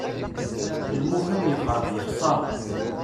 Imuxx-iw yexreb yexseṛ.